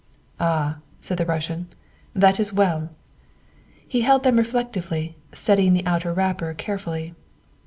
"Ah," said the Russian, " that is well." He held them reflectively, studying the outer wrapper carefully.